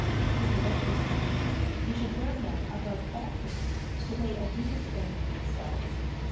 To prevent this abuse, we should learn them, above all things, to lay a due restraint on themselves.